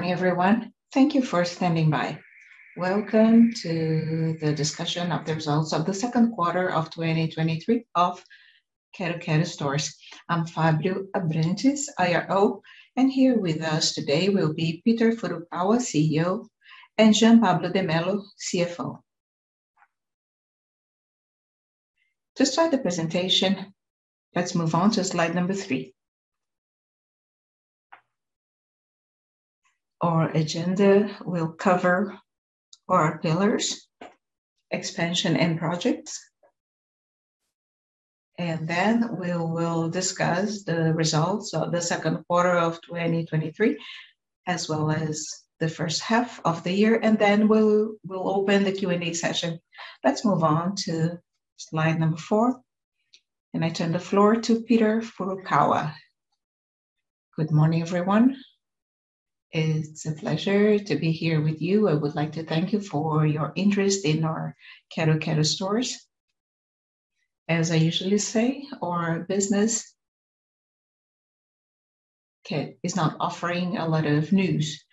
Good morning, everyone. Thank you for standing by. Welcome to the discussion of the results of the 2Q 2023 of Quero-Quero Stores. I'm Fabio Abrantes, IRO. Here with us today will be Peter Furukawa, CEO, and Jean Pablo de Mello, CFO. To start the presentation, let's move on to slide number 3. Our agenda will cover our pillars, expansion, and projects. Then we will discuss the results of the 2Q 2023, as well as the 1st half of the year, then we'll open the Q&A session. Let's move on to slide number 4, and I turn the floor to Peter Furukawa. Good morning, everyone. It's a pleasure to be here with you. I would like to thank you for your interest in our Quero-Quero Stores. As I usually say, our business, okay, is not offering a lot of news.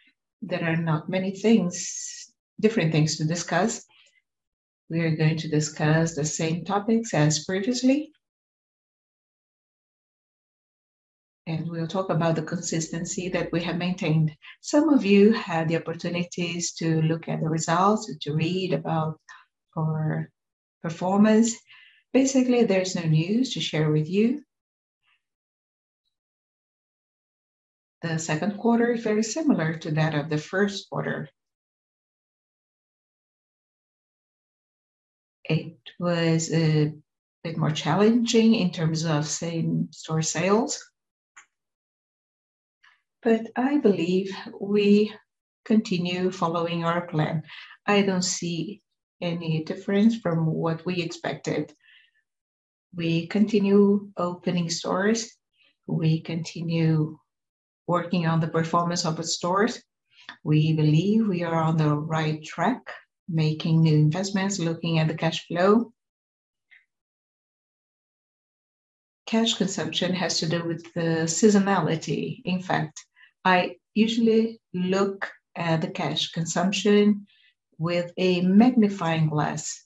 There are not many things, different things to discuss. We are going to discuss the same topics as previously. We'll talk about the consistency that we have maintained. Some of you had the opportunities to look at the results, to read about our performance. Basically, there's no news to share with you. The second quarter is very similar to that of the first quarter. It was a bit more challenging in terms of same-store sales, but I believe we continue following our plan. I don't see any difference from what we expected. We continue opening stores. We continue working on the performance of the stores. We believe we are on the right track, making new investments, looking at the cash flow. Cash consumption has to do with the seasonality. In fact, I usually look at the cash consumption with a magnifying glass,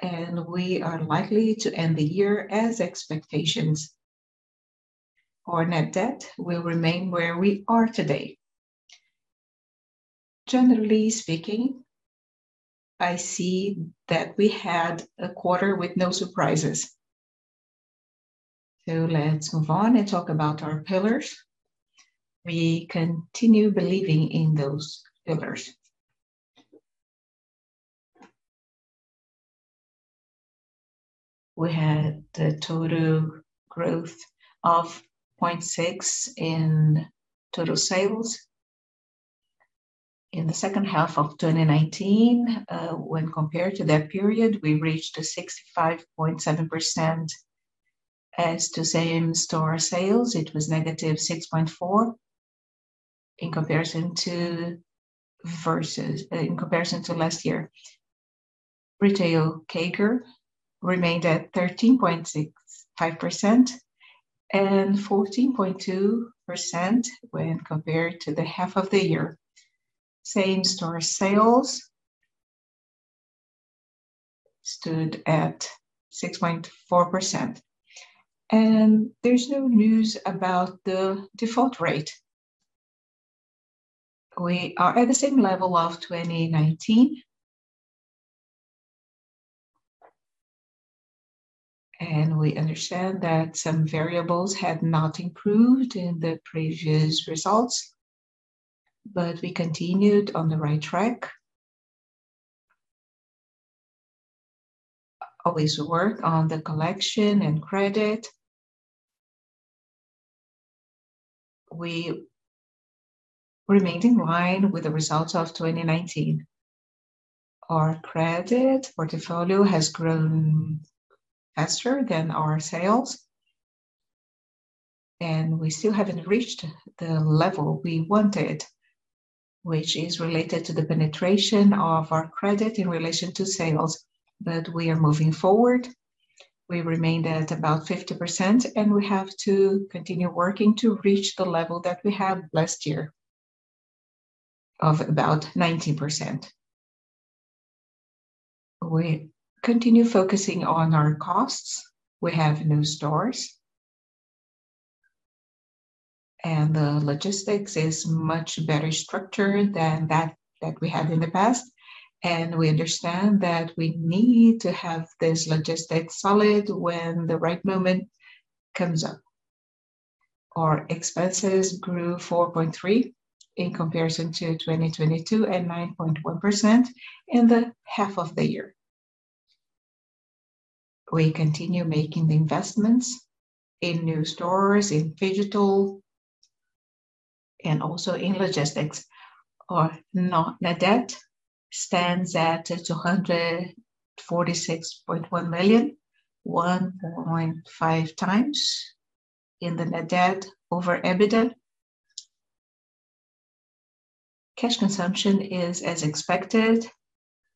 and we are likely to end the year as expectations. Our net debt will remain where we are today. Generally speaking, I see that we had a quarter with no surprises. Let's move on and talk about our pillars. We continue believing in those pillars. We had a total growth of 0.6 in total sales. In the second half of 2019, when compared to that period, we reached a 65.7%. As to same-store sales, it was -6.4 in comparison to versus in comparison to last year. Retail CAGR remained at 13.65% and 14.2% when compared to the half of the year. Same-store sales stood at 6.4%, and there's no news about the default rate. We are at the same level of 2019. We understand that some variables have not improved in the previous results, but we continued on the right track. Always work on the collection and credit. We remained in line with the results of 2019. Our credit portfolio has grown faster than our sales, and we still haven't reached the level we wanted, which is related to the penetration of our credit in relation to sales, but we are moving forward. We remained at about 50%, and we have to continue working to reach the level that we had last year, of about 90%. We continue focusing on our costs. We have new stores. The logistics is much better structured than that that we had in the past, and we understand that we need to have this logistics solid when the right moment comes up. Our expenses grew 4.3 in comparison to 2022 and 9.1% in the half of the year. We continue making the investments in new stores, in digital, and also in logistics. Our net debt stands at BRL 246.1 million, 1.5x in the net debt over EBITDA. Cash consumption is as expected,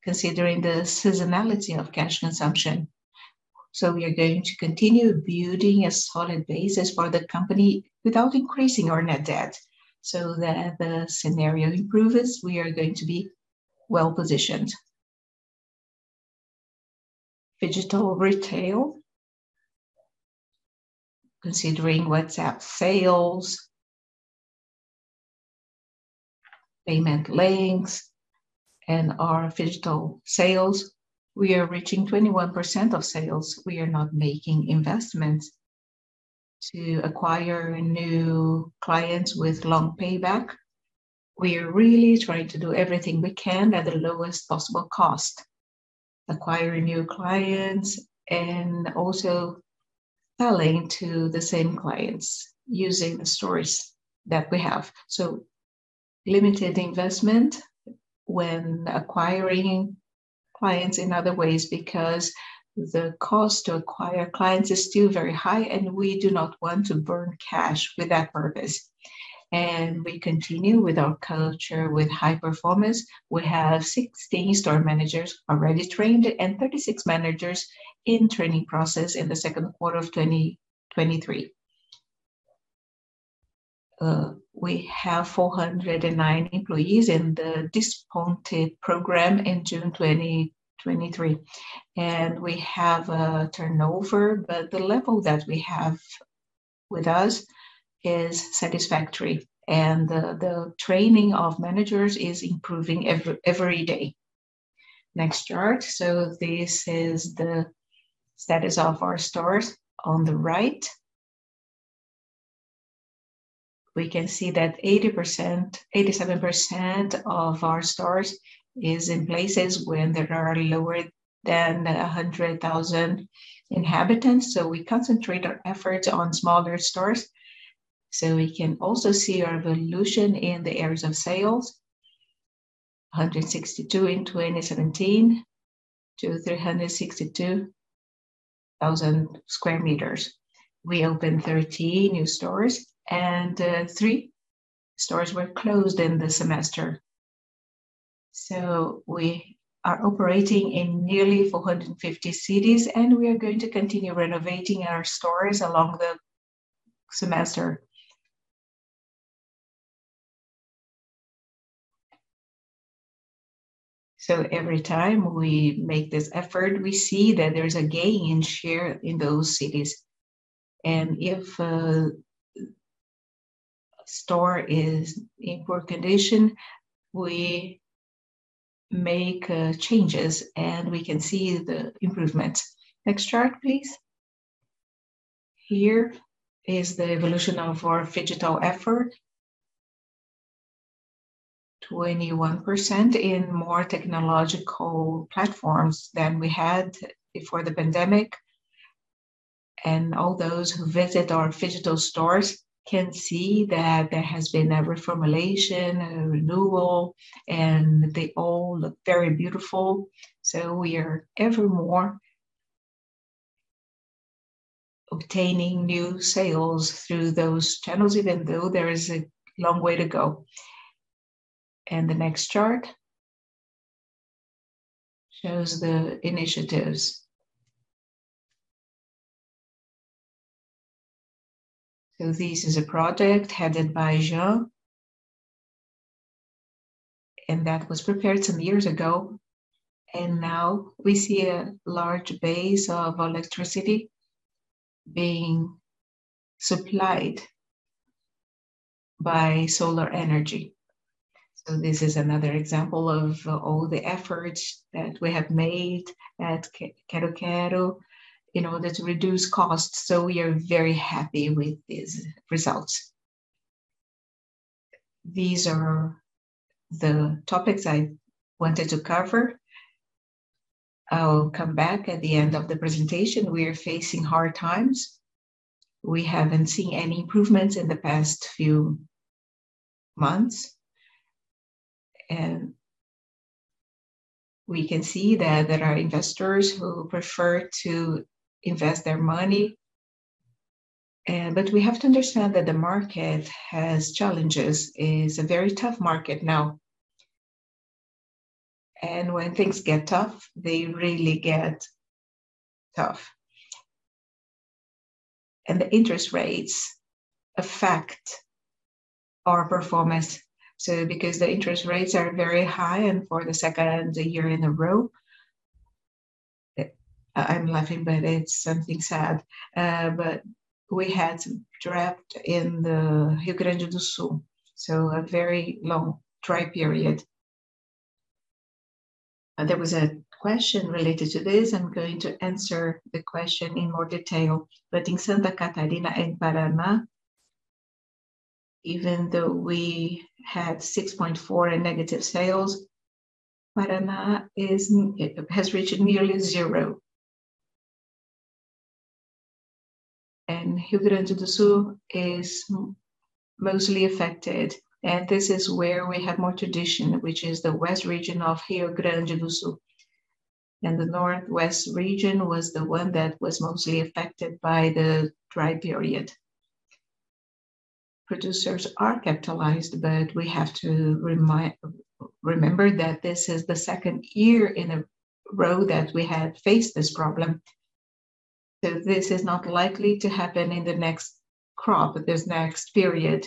considering the seasonality of cash consumption. We are going to continue building a solid basis for the company without increasing our net debt, so that as the scenario improves, we are going to be well-positioned. Phygital retail. Considering WhatsApp sales, payment links, and our phygital sales, we are reaching 21% of sales. We are not making investments to acquire new clients with long payback. We are really trying to do everything we can at the lowest possible cost, acquiring new clients and also selling to the same clients using the stores that we have. Limited investment when acquiring clients in other ways, because the cost to acquire clients is still very high, and we do not want to burn cash with that purpose. We continue with our culture, with high performance. We have 60 store managers already trained, and 36 managers in training process in the second quarter of 2023. We have 409 employees in the PDV program in June 2023, and we have a turnover, but the level that we have with us is satisfactory, and the training of managers is improving every, every day. Next chart. This is the status of our stores on the right We can see that 80%, 87% of our stores is in places where there are lower than 100,000 inhabitants. We concentrate our efforts on smaller stores. We can also see our evolution in the areas of sales, 162 in 2017 to 362,000 square meters. We opened 13 new stores, and 3 stores were closed in the semester. We are operating in nearly 450 cities, and we are going to continue renovating our stores along the semester. Every time we make this effort, we see that there's a gain in share in those cities. If a store is in poor condition, we make changes, and we can see the improvements. Next chart, please. Here is the evolution of our phygital effort. 21% in more technological platforms than we had before the pandemic. All those who visit our phygital stores can see that there has been a reformulation and a renewal, and they all look very beautiful. We are ever more obtaining new sales through those channels, even though there is a long way to go. The next chart shows the initiatives. This is a project headed by Jean, and that was prepared some years ago, and now we see a large base of our electricity being supplied by solar energy. This is another example of all the efforts that we have made at Quero-Quero in order to reduce costs, so we are very happy with these results. These are the topics I wanted to cover. I'll come back at the end of the presentation. We are facing hard times. We haven't seen any improvements in the past few months. We can see that there are investors who prefer to invest their money. We have to understand that the market has challenges. It's a very tough market now. When things get tough, they really get tough. The interest rates affect our performance, so because the interest rates are very high, and for the second year in a row, I'm laughing, but it's something sad. We had drought in the Rio Grande do Sul, so a very long, dry period. There was a question related to this. I'm going to answer the question in more detail. In Santa Catarina and Paraná, even though we had 6.4 in negative sales, Paraná it has reached nearly zero. Rio Grande do Sul is mostly affected, and this is where we have more tradition, which is the west region of Rio Grande do Sul. The northwest region was the one that was mostly affected by the dry period. Producers are capitalized, but we have to remember that this is the second year in a row that we have faced this problem. This is not likely to happen in the next crop, this next period,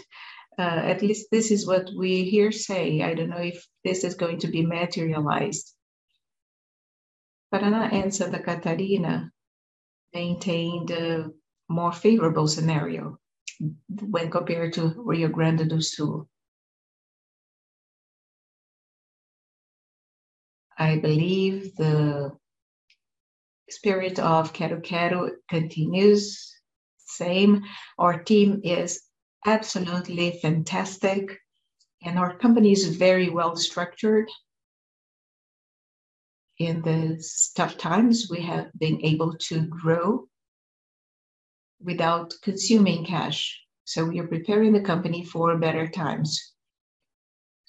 at least this is what we hear say. I don't know if this is going to be materialized. Paraná and Santa Catarina maintained a more favorable scenario when compared to Rio Grande do Sul. I believe the spirit of Quero-Quero continues the same. Our team is absolutely fantastic, and our company is very well-structured. In the tough times, we have been able to grow without consuming cash, so we are preparing the company for better times.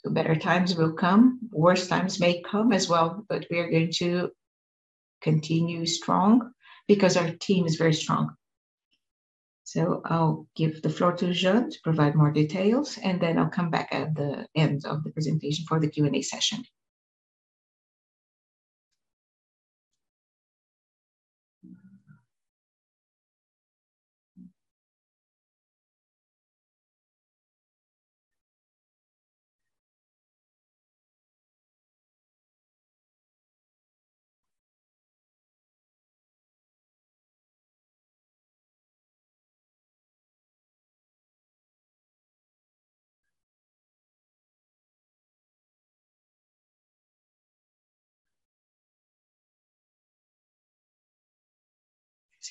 Better times will come, worse times may come as well, but we are going to continue strong because our team is very strong. I'll give the floor to Jean to provide more details, and then I'll come back at the end of the presentation for the Q&A session.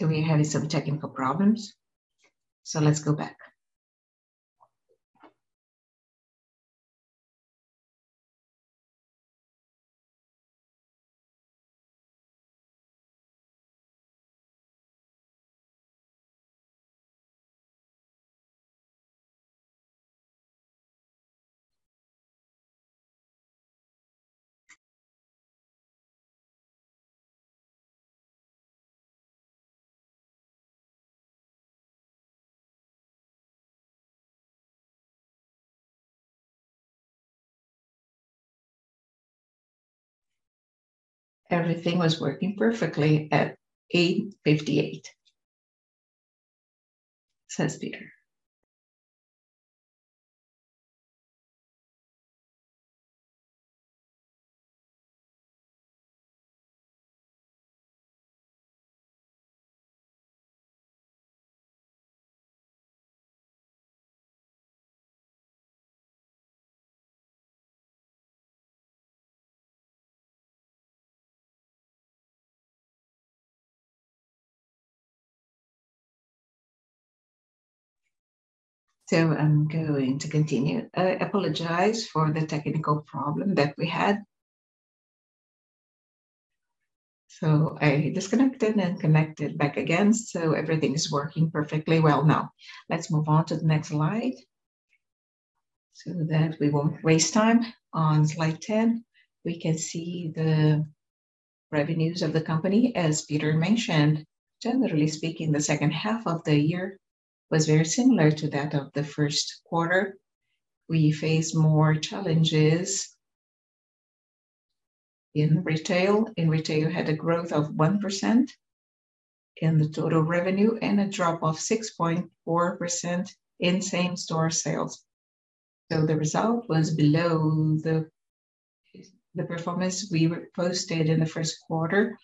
We're having some technical problems, so let's go back. Everything was working perfectly at 8:58 A.M., says Peter. I'm going to continue. I apologize for the technical problem that we had. I disconnected and connected back again, so everything is working perfectly well now. Let's move on to the next slide so that we won't waste time. On slide 10, we can see the revenues of the company. As Peter mentioned, generally speaking, the second half of the year was very similar to that of the first quarter. We faced more challenges in retail. In retail, we had a growth of 1% in the total revenue and a drop of 6.4% in same-store sales. The result was below the performance we posted in the first quarter,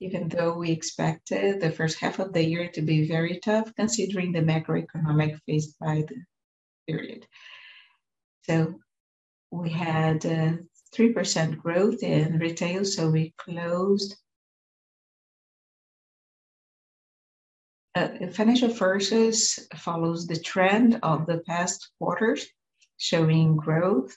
even though we expected the first half of the year to be very tough, considering the macroeconomic faced by the period. We had 3% growth in retail, so we closed... Financial services follows the trend of the past quarters, showing growth,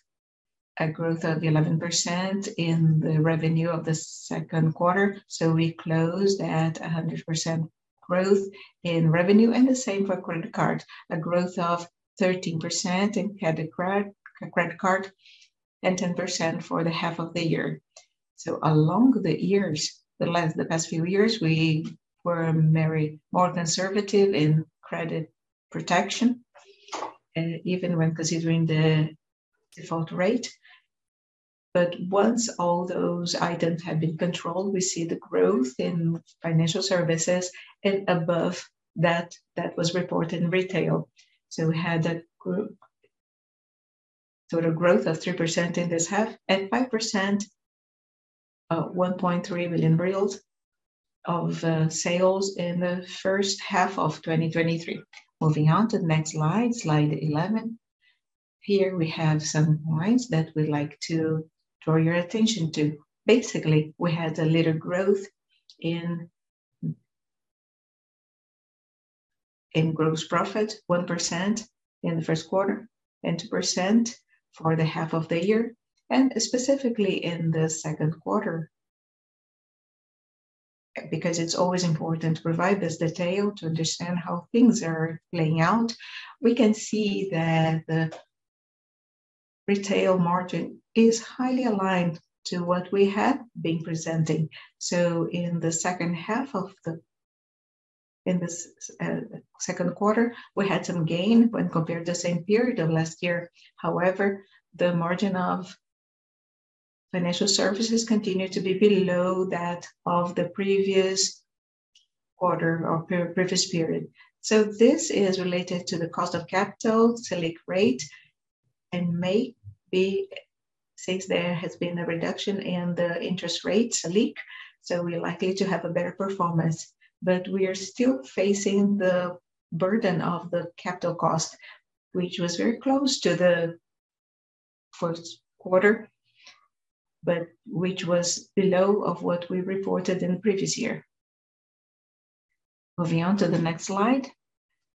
a growth of 11% in the revenue of the second quarter, so we closed at a 100% growth in revenue, and the same for credit card, a growth of 13% in credit card, and 10% for the half of the year. Along the years, the past few years, we were very more conservative in credit protection, even when considering the default rate. Once all those items have been controlled, we see the growth in financial services and above that, that was reported in retail. We had a group total growth of 3% in this half and 5%, 1.3 billion of sales in the first half of 2023. Moving on to the next slide, slide 11. Here, we have some points that we'd like to draw your attention to. Basically, we had a little growth in, in gross profit, 1% in the first quarter, and 2% for the half of the year, and specifically in the second quarter. It's always important to provide this detail to understand how things are laying out. We can see that retail margin is highly aligned to what we had been presenting. In the second half of the second quarter, we had some gain when compared to the same period of last year. However, the margin of financial services continued to be below that of the previous quarter or pre-previous period This is related to the cost of capital, Selic rate, and may be, since there has been a reduction in the interest rates, Selic, so we're likely to have a better performance. We are still facing the burden of the capital cost, which was very close to the first quarter, but which was below of what we reported in the previous year. Moving on to the next slide.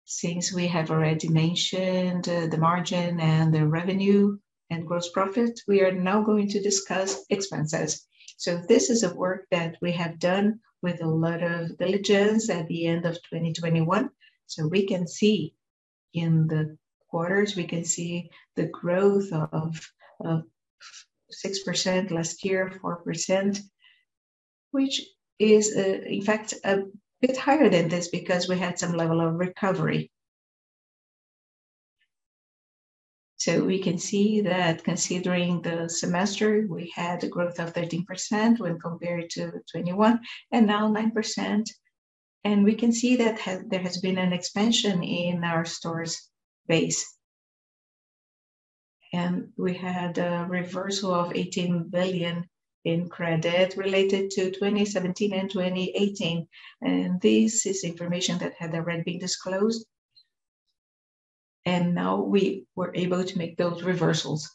Since we have already mentioned the margin and the revenue and gross profit, we are now going to discuss expenses. This is a work that we have done with a lot of diligence at the end of 2021. We can see in the quarters, we can see the growth of, of 6% last year, 4%, which is, in fact, a bit higher than this because we had some level of recovery. We can see that considering the semester, we had a growth of 13% when compared to 2021, and now 9%. We can see that there has been an expansion in our stores' base. We had a reversal of 18 billion in credit related to 2017 and 2018, and this is information that had already been disclosed, and now we were able to make those reversals.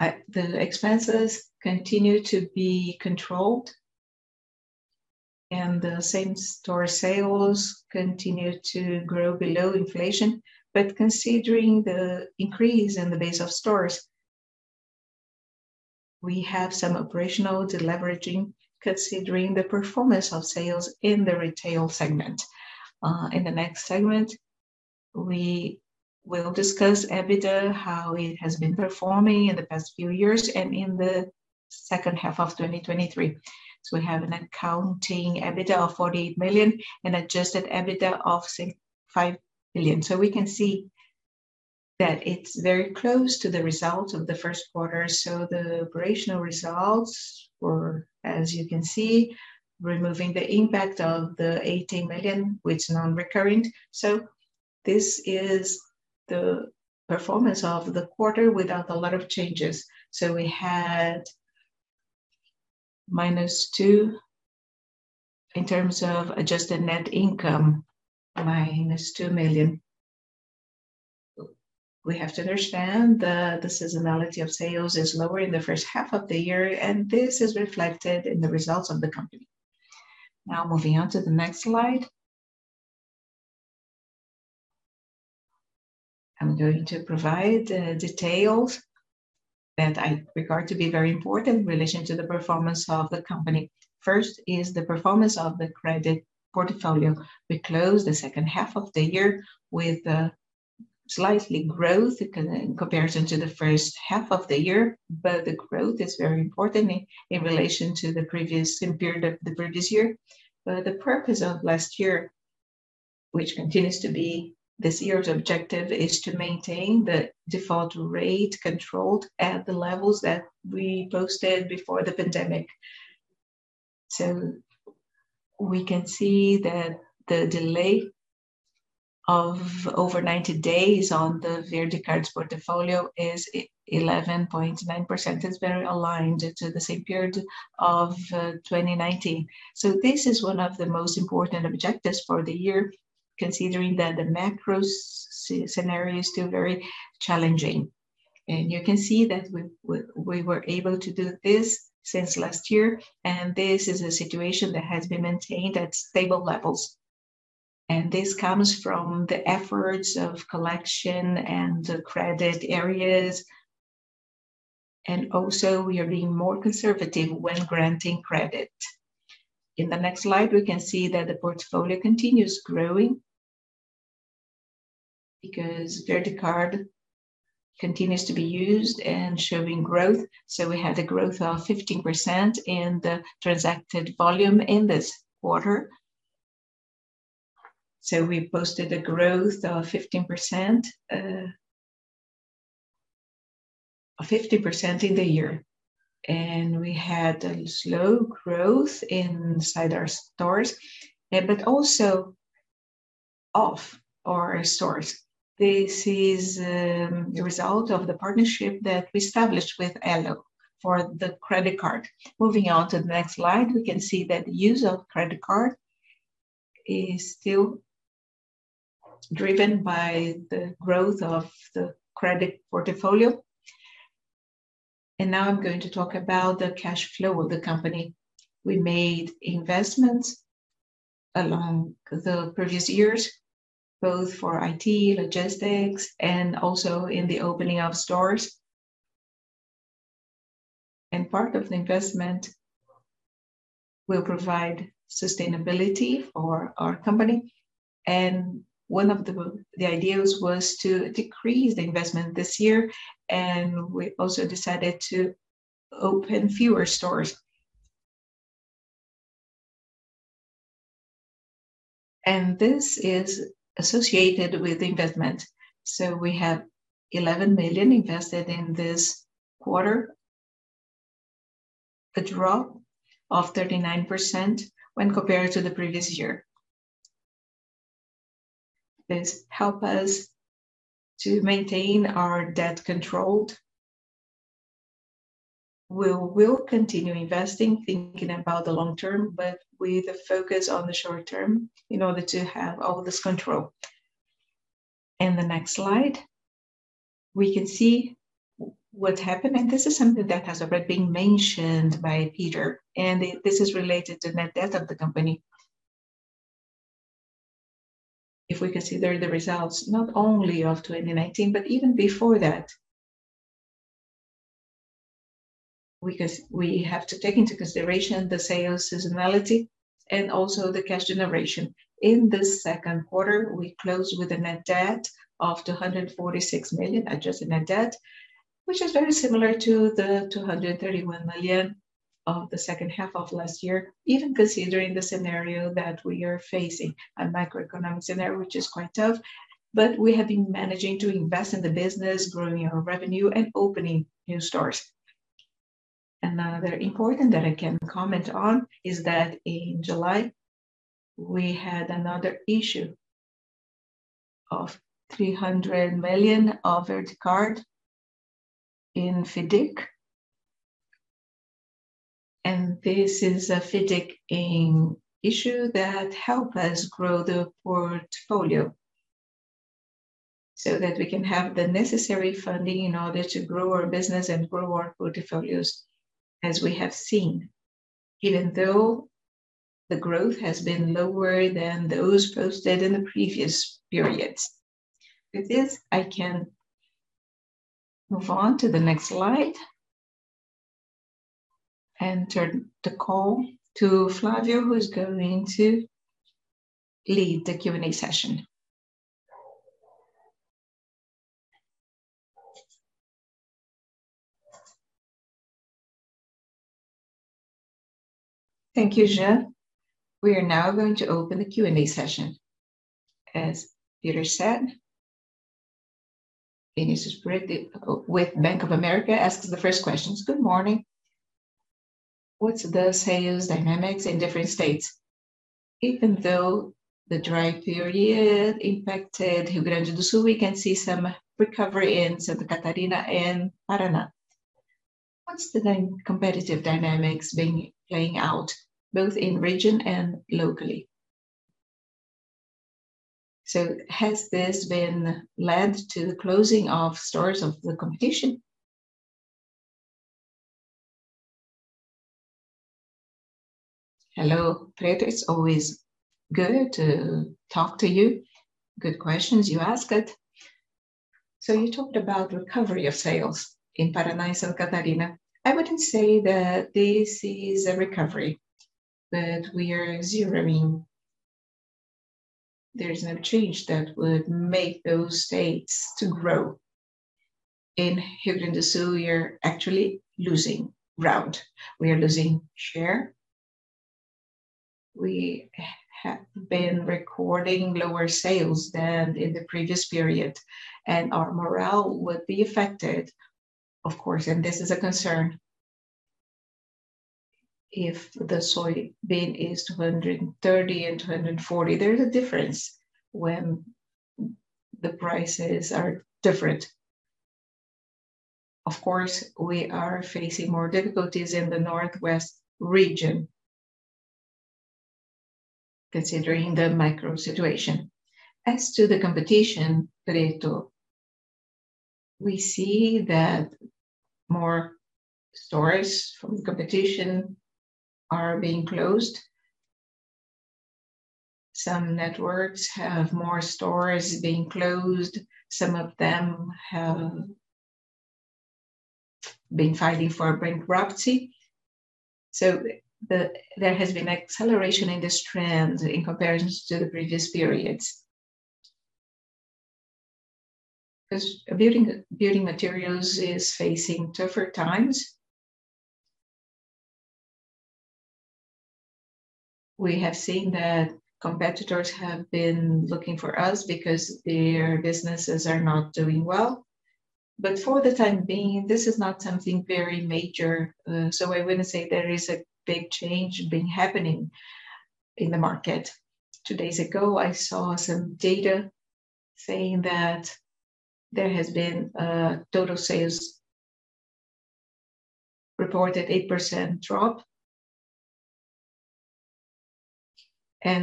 The expenses continue to be controlled, and the same-store sales continue to grow below inflation. Considering the increase in the base of stores, we have some operational deleveraging, considering the performance of sales in the retail segment. In the next segment, we will discuss EBITDA, how it has been performing in the past few years and in the second half of 2023. We have an accounting EBITDA of 48 million and adjusted EBITDA of 5 million. We can see that it's very close to the results of the first quarter. The operational results were, as you can see, removing the impact of the 18 million, which is non-recurring. This is the performance of the quarter without a lot of changes. We had minus 2 in terms of adjusted net income, minus 2 million. We have to understand the seasonality of sales is lower in the first half of the year, and this is reflected in the results of the company. Now, moving on to the next slide. I'm going to provide details that I regard to be very important in relation to the performance of the company. First is the performance of the credit portfolio. We closed the second half of the year with a slightly growth in comparison to the first half of the year. The growth is very important in, in relation to the previous same period of the previous year. The purpose of last year, which continues to be this year's objective, is to maintain the default rate controlled at the levels that we posted before the pandemic. We can see that the delay of over 90 days on the VerdeCard's portfolio is 11.9%. It's very aligned to the same period of 2019. This is one of the most important objectives for the year, considering that the macro scenario is still very challenging. You can see that we were able to do this since last year, and this is a situation that has been maintained at stable levels. This comes from the efforts of collection and the credit areas, also we are being more conservative when granting credit. In the next slide, we can see that the portfolio continues growing because VerdeCard continues to be used and showing growth. We had a growth of 15% in the transacted volume in this quarter. We posted a growth of 15%, 50% in the year, and we had a slow growth inside our stores, but also off our stores. This is the result of the partnership that we established with Elo for the credit card. Moving on to the next slide, we can see that the use of credit card is still driven by the growth of the credit portfolio. Now I'm going to talk about the cash flow of the company. We made investments along the previous years, both for IT, logistics, and also in the opening of stores. Part of the investment will provide sustainability for our company. One of the, the ideas was to decrease the investment this year, and we also decided to open fewer stores. This is associated with investment. We have 11 million invested in this quarter, a drop of 39% when compared to the previous year. This help us to maintain our debt controlled. We will continue investing, thinking about the long term, but with a focus on the short term in order to have all this control. In the next slide, we can see what's happened, and this is something that has already been mentioned by Peter, and this is related to net debt of the company. If we consider the results, not only of 2019, but even before that. We have to take into consideration the sales seasonality and also the cash generation. In the second quarter, we closed with a net debt of 246 million, adjusted net debt, which is very similar to the 231 million of the second half of last year, even considering the scenario that we are facing, a macroeconomic scenario, which is quite tough. We have been managing to invest in the business, growing our revenue, and opening new stores. Another important that I can comment on is that in July, we had another issue of 300 million of VerdeCard in FIDC. This is a FIDC in issue that help us grow the portfolio, so that we can have the necessary funding in order to grow our business and grow our portfolios, as we have seen, even though the growth has been lower than those posted in the previous periods. With this, I can move on to the next slide and turn the call to Flavia, who is going to lead the Q&A session. Thank you, Jean. We are now going to open the Q&A session, as Peter said. Dennis Sprung with Bank of America asks the first questions. Good morning. What's the sales dynamics in different states? Even though the dry period impacted Rio Grande do Sul, we can see some recovery in Santa Catarina and Paraná. What's the competitive dynamics playing out, both in region and locally? Has this been led to the closing of stores of the competition? Hello, Fred, it's always good to talk to you. Good questions you asked. You talked about recovery of sales in Paraná and Santa Catarina. I wouldn't say that this is a recovery, but we are zeroing. There's no change that would make those states to grow. In Rio Grande do Sul, we're actually losing ground. We are losing share. We have been recording lower sales than in the previous period, and our morale would be affected, of course, and this is a concern. If the soybean is 230 and 240, there's a difference when the prices are different. Of course, we are facing more difficulties in the northwest region, considering the micro situation. As to the competition, Fredo, we see that more stores from competition are being closed. Some networks have more stores being closed, some of them have been filing for bankruptcy. There has been acceleration in this trend in comparison to the previous periods. Because building, building materials is facing tougher times. We have seen that competitors have been looking for us because their businesses are not doing well. For the time being, this is not something very major, so I wouldn't say there is a big change been happening in the market. Two days ago, I saw some data saying that there has been a total sales reported 8% drop.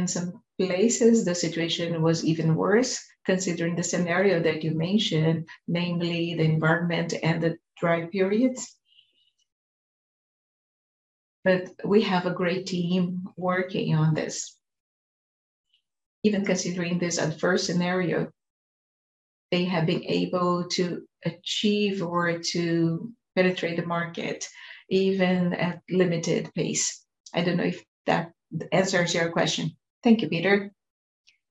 Some places, the situation was even worse, considering the scenario that you mentioned, namely the environment and the dry periods. We have a great team working on this. Even considering this adverse scenario, they have been able to achieve or to penetrate the market, even at limited pace. I don't know if that answers your question. Thank you, Peter.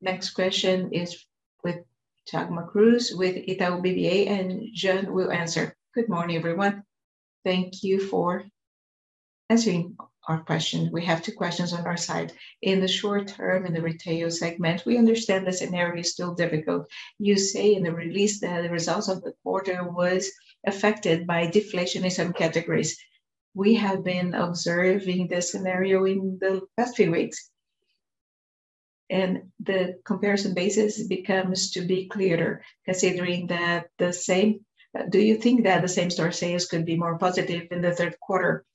Next question is with Tiago Cruz, with Itaú BBA. Jean will answer. Good morning, everyone. Thank you for answering our question. We have 2 questions on our side. In the short term, in the retail segment, we understand the scenario is still difficult. You say in the release that the results of the quarter was affected by deflation in some categories. We have been observing this scenario in the past few weeks, and the comparison basis becomes to be clearer, considering that the same-- do you think that the same-store sales could be more positive in the third quarter?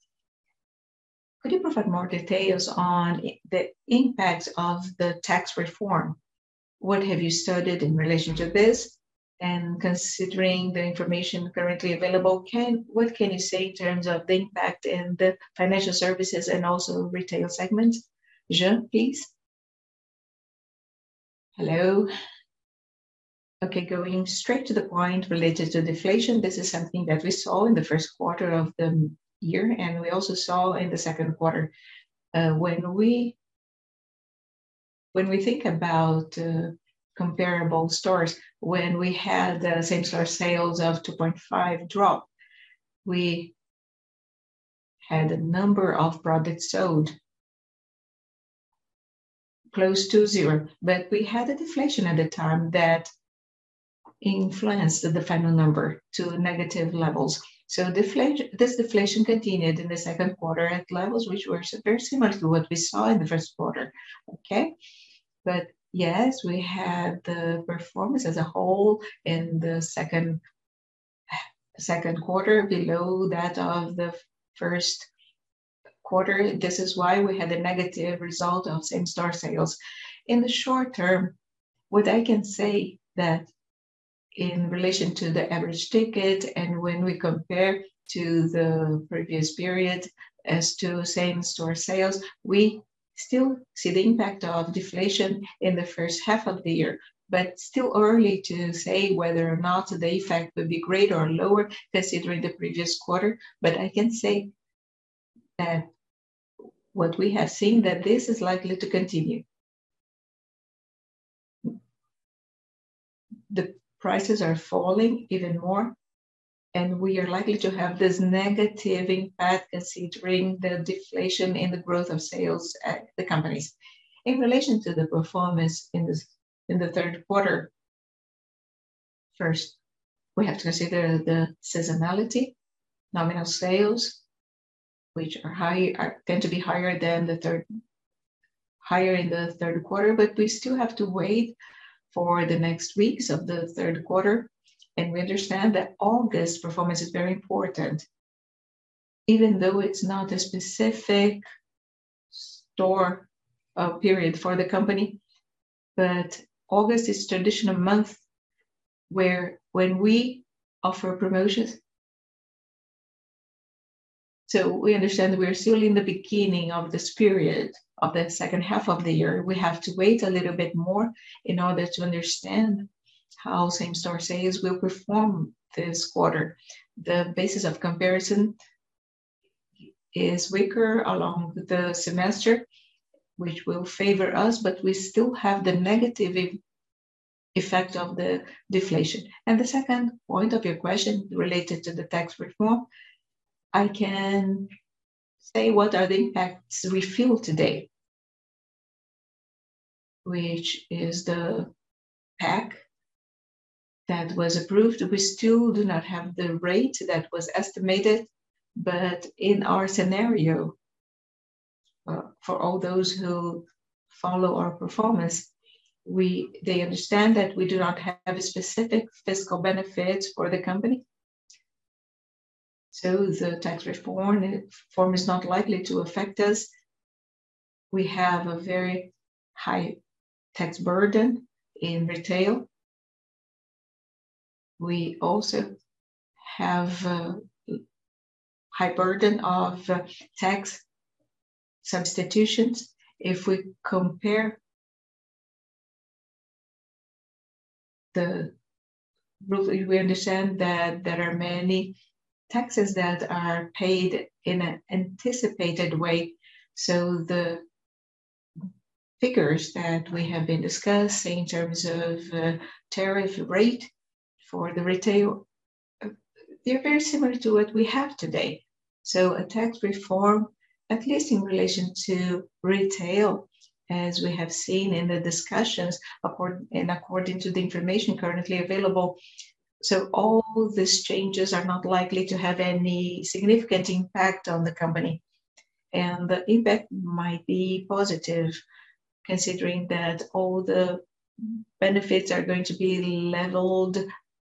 Could you provide more details on the impacts of the tax reform? What have you studied in relation to this? Considering the information currently available, what can you say in terms of the impact in the financial services and also retail segments? Jean, please. Hello. Okay, going straight to the point related to deflation, this is something that we saw in the first quarter of the year, and we also saw in the second quarter. When we, when we think about comparable stores, when we had same-store sales of 2.5% drop, we had a number of products sold close to zero. We had a deflation at the time that influenced the final number to negative levels. This deflation continued in the second quarter at levels which were very similar to what we saw in the first quarter. Okay. Yes, we had the performance as a whole in the second quarter below that of the f- first quarter. This is why we had a negative result on same-store sales. In the short term, what I can say that in relation to the average ticket, and when we compare to the previous period as to same-store sales, we still see the impact of deflation in the first half of the year, but still early to say whether or not the effect will be greater or lower, considering the previous quarter. I can say that what we have seen, that this is likely to continue. The prices are falling even more, and we are likely to have this negative impact, considering the deflation in the growth of sales at the companies. In relation to the performance in the third quarter, first, we have to consider the seasonality, nominal sales, which are high, tend to be higher than the third. Higher in the third quarter, we still have to wait for the next weeks of the third quarter, and we understand that August performance is very important, even though it's not a specific store period for the company. August is traditional month where when we offer promotions. We understand we are still in the beginning of this period, of the second half of the year. We have to wait a little bit more in order to understand how same-store sales will perform this quarter. The basis of comparison is weaker along the semester, which will favor us, we still have the negative effect of the deflation. The second point of your question, related to the tax reform, I can say what are the impacts we feel today, which is the pack that was approved. We still do not have the rate that was estimated. In our scenario, for all those who follow our performance, they understand that we do not have a specific fiscal benefit for the company, so the tax reform is not likely to affect us. We have a very high tax burden in retail. We also have high burden of tax substitutions. If we compare the rule, we understand that there are many taxes that are paid in an anticipated way. The figures that we have been discussing in terms of tariff rate for the retail, they're very similar to what we have today. A tax reform, at least in relation to retail, as we have seen in the discussions, according to the information currently available, all these changes are not likely to have any significant impact on the company. The impact might be positive, considering that all the benefits are going to be leveled,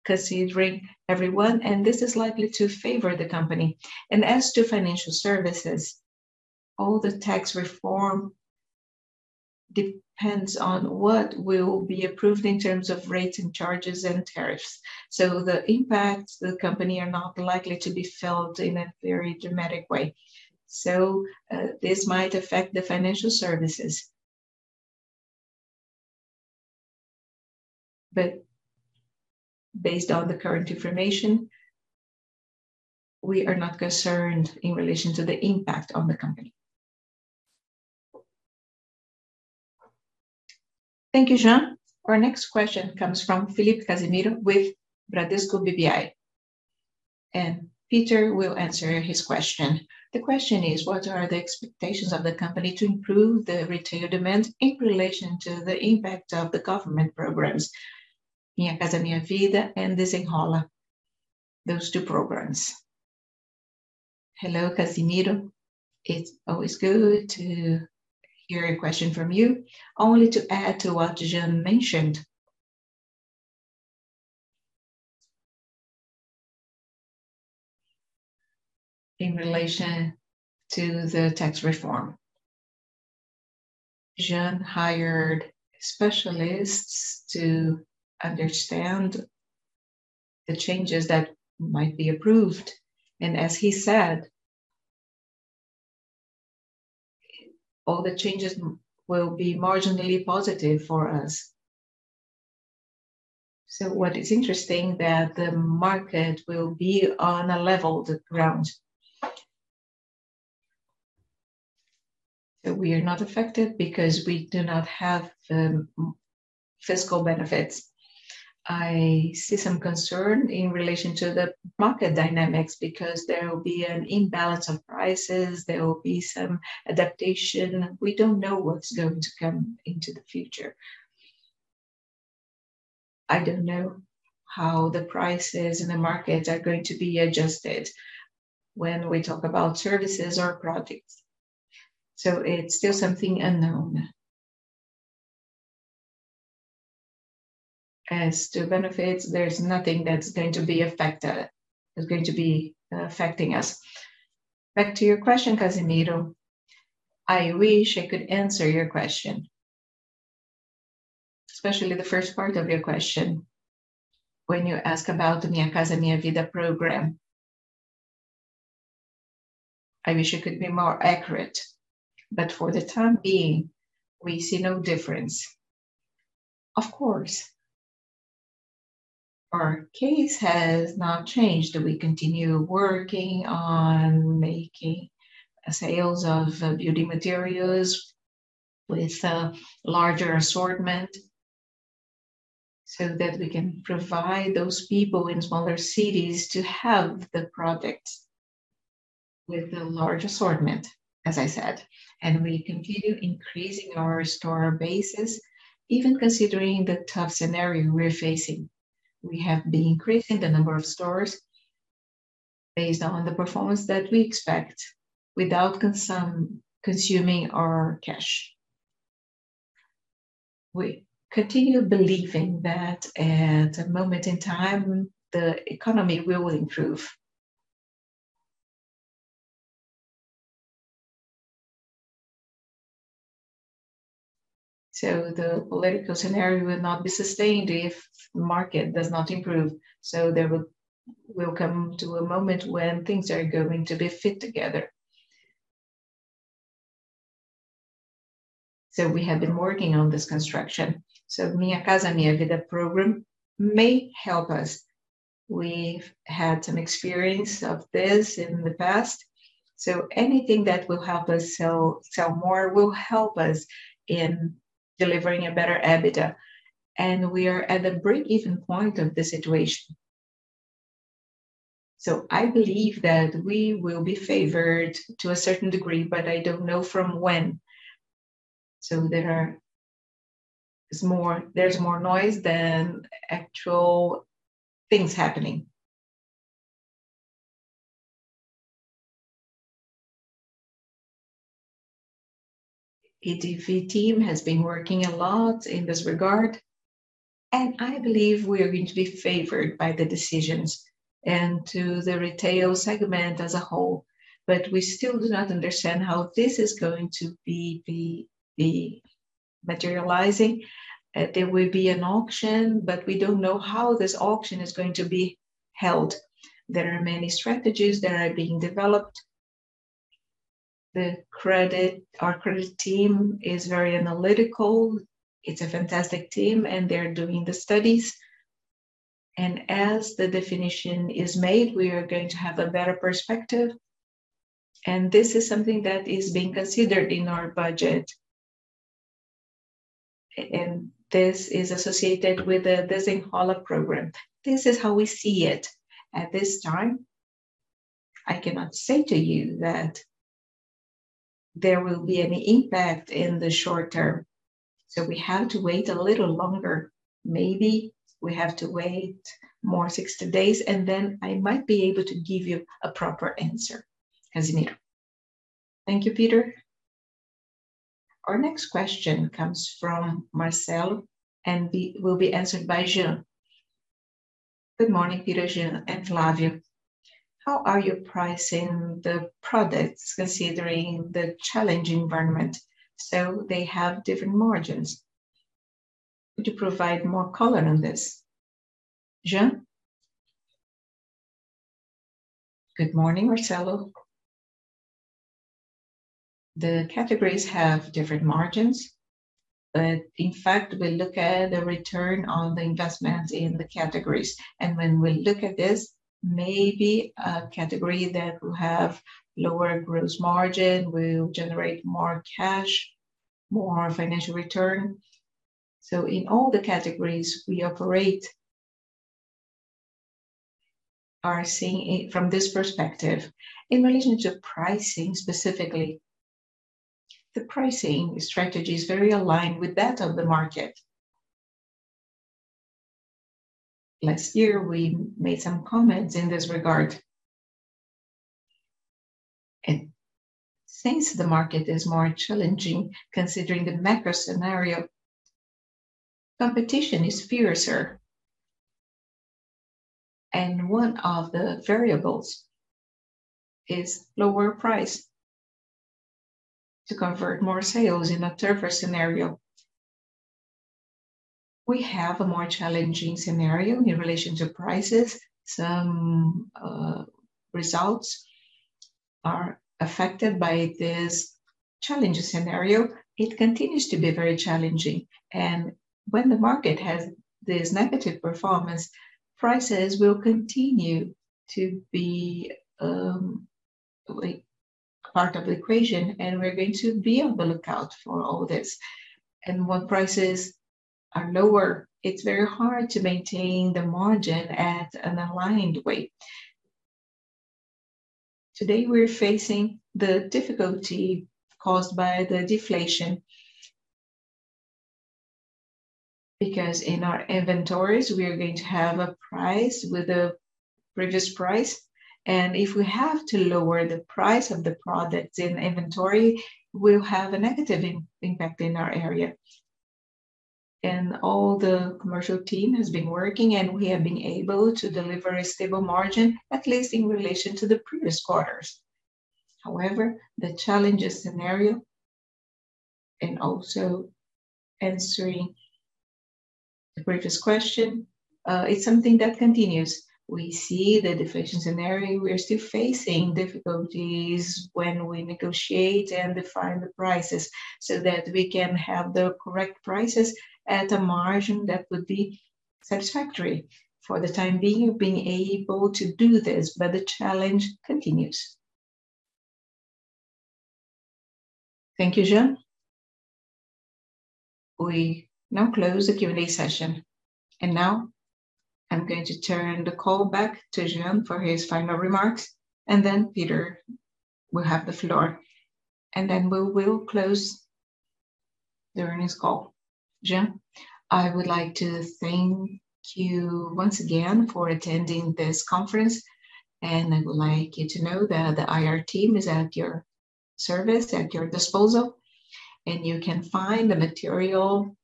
considering everyone, this is likely to favor the company. As to financial services, all the tax reform depends on what will be approved in terms of rates, charges, and tariffs. The impacts to the company are not likely to be felt in a very dramatic way. This might affect the financial services. Based on the current information, we are not concerned in relation to the impact on the company. Thank you, Jean. Our next question comes from Felipe Casimiro, with Bradesco BBI. Peter will answer his question. The question is: What are the expectations of the company to improve the retail demand in relation to the impact of the government programs, Minha Casa, Minha Vida, and Desenrola, those two programs? Hello, Casimiro. It's always good to hear a question from you. Only to add to what Jean mentioned, in relation to the tax reform, Jean hired specialists to understand the changes that might be approved. As he said, all the changes will be marginally positive for us. What is interesting that the market will be on a leveled ground. We are not affected because we do not have the fiscal benefits. I see some concern in relation to the market dynamics, because there will be an imbalance of prices, there will be some adaptation. We don't know what's going to come into the future. I don't know how the prices in the market are going to be adjusted when we talk about services or products, so it's still something unknown. As to benefits, there's nothing that's going to be affecting us. Back to your question, Casimiro, I wish I could answer your question, especially the first part of your question when you ask about Minha Casa, Minha Vida program. I wish I could be more accurate, but for the time being, we see no difference. Of course, our case has not changed, and we continue working on making sales of building materials with a larger assortment, so that we can provide those people in smaller cities to have the products with the large assortment, as I said. We continue increasing our store bases, even considering the tough scenario we're facing. We have been increasing the number of stores based on the performance that we expect, without consuming our cash. We continue believing that at a moment in time, the economy will improve. The political scenario will not be sustained if the market does not improve, so there will we'll come to a moment when things are going to be fit together. We have been working on this construction. Minha Casa, Minha Vida program may help us. We've had some experience of this in the past, so anything that will help us sell, sell more, will help us in delivering a better EBITDA, and we are at the breakeven point of the situation. I believe that we will be favored to a certain degree, but I don't know from when. There's more, there's more noise than actual things happening. EDV team has been working a lot in this regard, and I believe we are going to be favored by the decisions and to the retail segment as a whole, but we still do not understand how this is going to be materializing. There will be an auction, but we don't know how this auction is going to be held. There are many strategies that are being developed. Our credit team is very analytical. It's a fantastic team, and they're doing the studies, and as the definition is made, we are going to have a better perspective, and this is something that is being considered in our budget, and this is associated with the Desenrola program. This is how we see it. At this time, I cannot say to you that there will be any impact in the short term, so we have to wait a little longer. Maybe we have to wait more 60 days, and then I might be able to give you a proper answer, Casimiro. Thank you, Peter. Our next question comes from Marcelo, will be answered by Jean. Good morning, Peter, Jean, and Flavio. How are you pricing the products, considering the challenging environment, so they have different margins? Could you provide more color on this? Jean? Good morning, Marcelo. The categories have different margins, but in fact, we look at the return on the investments in the categories. When we look at this, maybe a category that will have lower gross margin will generate more cash, more financial return. In all the categories we operate, are seeing it from this perspective. In relation to pricing specifically, the pricing strategy is very aligned with that of the market. Last year, we made some comments in this regard. Since the market is more challenging, considering the macro scenario, competition is fiercer. One of the variables is lower price to convert more sales in a tougher scenario. We have a more challenging scenario in relation to prices. Some results are affected by this challenging scenario. It continues to be very challenging, and when the market has this negative performance, prices will continue to be, like, part of the equation, and we're going to be on the lookout for all this. When prices are lower, it's very hard to maintain the margin at an aligned way. Today, we're facing the difficulty caused by the deflation. Because in our inventories, we are going to have a price with the previous price, and if we have to lower the price of the products in inventory, we'll have a negative impact in our area. All the commercial team has been working, and we have been able to deliver a stable margin, at least in relation to the previous quarters. The challenging scenario, and also answering the previous question, it's something that continues. We see the deflation scenario. We're still facing difficulties when we negotiate and define the prices, so that we can have the correct prices at a margin that would be satisfactory. For the time being, we've been able to do this, but the challenge continues. Thank you, Jean. We now close the Q&A session. Now I'm going to turn the call back to Jean for his final remarks, and then Peter will have the floor, and then we will close the earnings call. Jean, I would like to thank you once again for attending this conference, and I would like you to know that the IR team is at your service, at your disposal, and you can find the material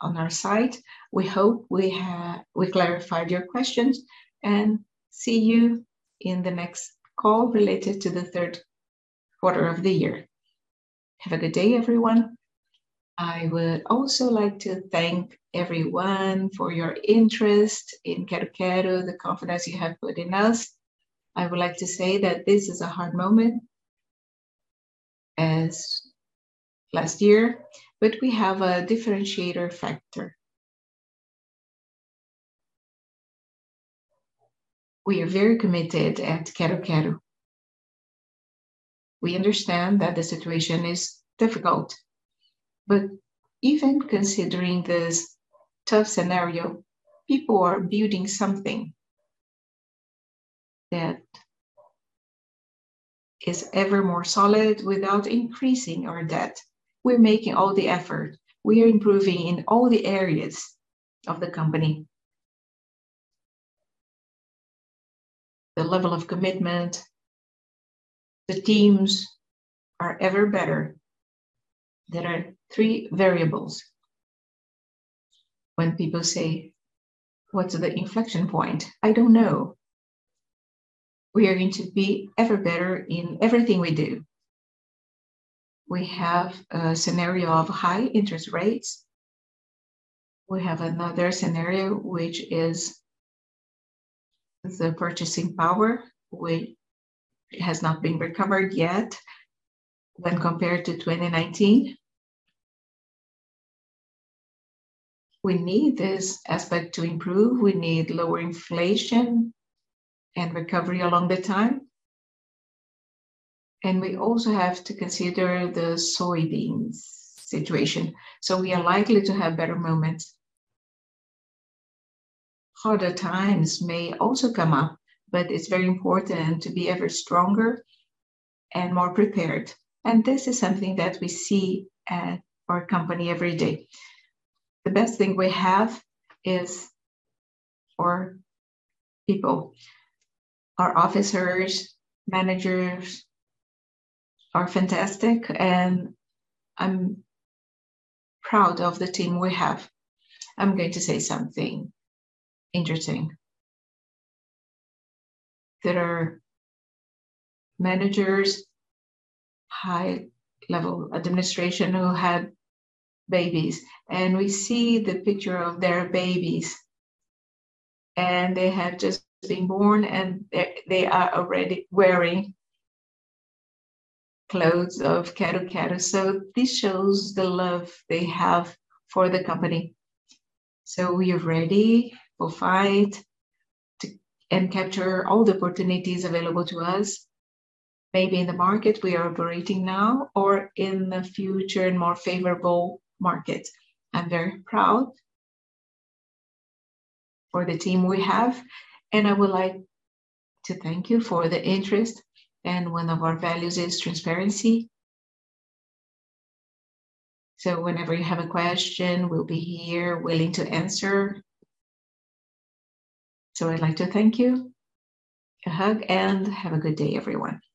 on our site. We hope we have... We clarified your questions, and see you in the next call related to the third quarter of the year. Have a good day, everyone. I would also like to thank everyone for your interest in Quero-Quero, the confidence you have put in us. I would like to say that this is a hard moment, as last year, but we have a differentiator factor. We are very committed at Quero-Quero. We understand that the situation is difficult, but even considering this tough scenario, people are building something that is ever more solid without increasing our debt. We're making all the effort. We are improving in all the areas of the company. The level of commitment, the teams are ever better. There are 3 variables. When people say: "What's the inflection point?" I don't know. We are going to be ever better in everything we do. We have a scenario of high interest rates. We have another scenario, which is the purchasing power, which has not been recovered yet when compared to 2019. We need this aspect to improve. We need lower inflation and recovery along the time, and we also have to consider the soybeans situation, so we are likely to have better moments. Harder times may also come up, but it's very important to be ever stronger and more prepared, and this is something that we see at our company every day. The best thing we have is our people. Our officers, managers are fantastic, and I'm proud of the team we have. I'm going to say something interesting. There are managers, high-level administration, who had babies, and we see the picture of their babies, and they have just been born, and they, they are already wearing clothes of Quero-Quero. This shows the love they have for the company. We are ready. We'll fight and capture all the opportunities available to us, maybe in the market we are operating now or in the future in more favorable markets. I'm very proud for the team we have. I would like to thank you for the interest. One of our values is transparency. Whenever you have a question, we'll be here willing to answer. I'd like to thank you. A hug, and have a good day, everyone.